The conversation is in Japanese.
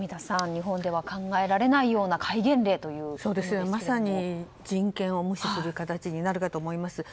日本では考えられないようなまさに、人権を無視する形になるかと思います。